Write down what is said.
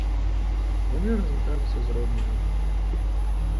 Яны развіталіся з роднымі.